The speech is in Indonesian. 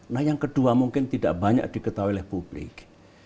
nah yang kedua mungkin tidak banyak diketahui oleh publik